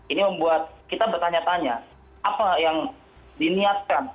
ini membuat kita bertanya tanya apa yang diniatkan